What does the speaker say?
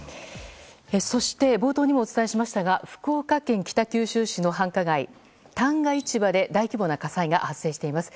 そして冒頭にもお伝えしましたが福岡県北九州市の繁華街旦過市場で大規模な火災が発生しています。